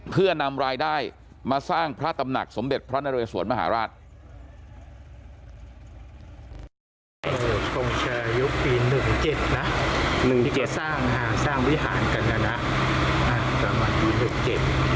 เพื่อนำรายได้มาสร้างพระตำหนักสมเด็จพระนเรสวนมหาราช